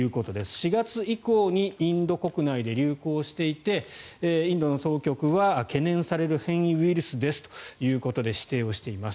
４月以降にインド国内で流行していてインドの当局は懸念される変異ウイルスですということで指定をしています。